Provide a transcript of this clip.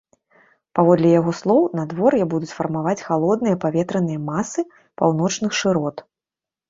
Паводле яго слоў, надвор'е будуць фармаваць халодныя паветраныя масы паўночных шырот.